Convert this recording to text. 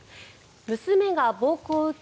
娘が暴行受け